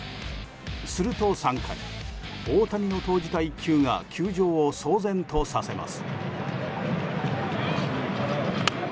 すると３回、大谷の投じた１球が球場を騒然とさせます。